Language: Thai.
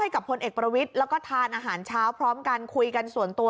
กับพลเอกประวิทย์แล้วก็ทานอาหารเช้าพร้อมกันคุยกันส่วนตัว